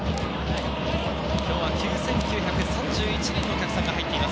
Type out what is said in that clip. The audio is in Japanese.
今日は９９３１人のお客さんが入っています。